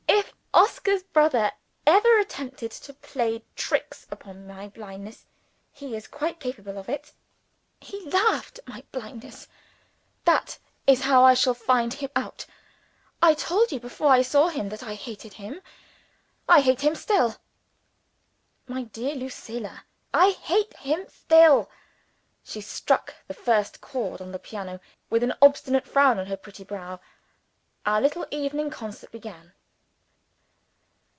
If Oscar's brother ever attempts to play tricks upon my blindness (he is quite capable of it he laughed at my blindness!), that is how I shall find him out. I told you before I saw him that I hated him. I hate him still." "My dear Lucilla!" "I hate him still!" She struck the first chords on the piano, with an obstinate frown on her pretty brow. Our little evening concert began.